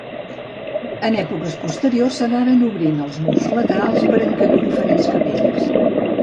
En èpoques posteriors s'anaren obrint els murs laterals per encabir diferents capelles.